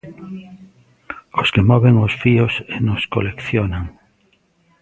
Os que moven os fíos e nos coleccionan.